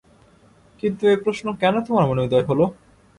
কিন্তু এ প্রশ্ন কেন তোমার মনে উদয় হল?